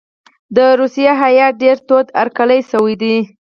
د روسیې هیات ډېر تود هرکلی شوی دی.